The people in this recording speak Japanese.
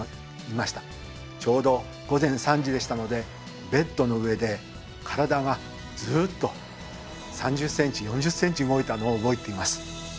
ちょうど午前３時でしたのでベッドの上で体がずっと３０センチ４０センチ動いたのを覚えています。